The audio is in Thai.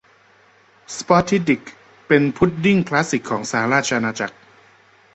สป็อททิด ดิก เป็นพุดดิ้งคลาสสิกของสหราชอาณาจักร